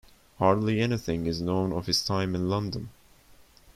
Hardly anything is known of his time in London.